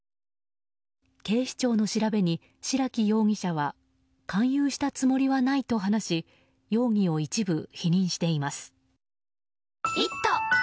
警視庁の調べに、白木容疑者は勧誘したつもりはないと話し容疑を一部否認しています。